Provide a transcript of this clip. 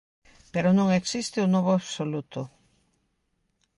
Pero non existe o novo absoluto.